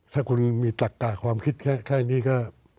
ถ้าคุณมีตักกะความคิดแค่นี้ก็